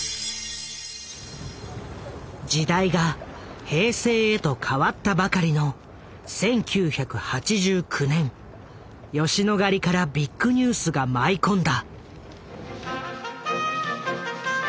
時代が「平成」へと変わったばかりの１９８９年吉野ヶ里からビッグニュースが舞い込んだ。